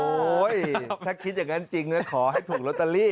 โอ้ยถ้าคิดอย่างนั้นจริงขอให้ถูกโรตาลี